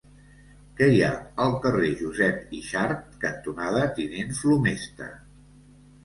Què hi ha al carrer Josep Yxart cantonada Tinent Flomesta?